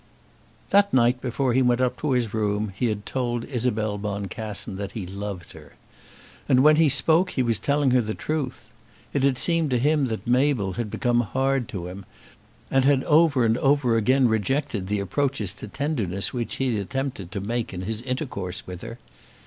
That night before he went up to his room he had told Isabel Boncassen that he loved her. And when he spoke he was telling her the truth. It had seemed to him that Mabel had become hard to him, and had over and over again rejected the approaches to tenderness which he had attempted to make in his intercourse with her.